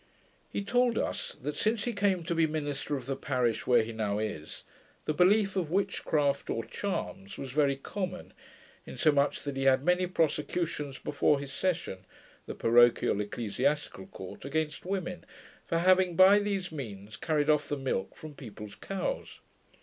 He told us, that, since he came to be minister of the parish where he now is, the belief of witchcraft, or charms, was very common, insomuch that he had many prosecutions before his session (the parochial ecclesiastical court) against women, for having by these means carried off the milk from people's cows.